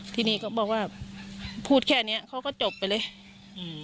ทีนี้ก็บอกว่าพูดแค่เนี้ยเขาก็จบไปเลยอืม